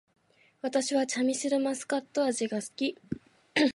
私はチャミスルマスカット味が好き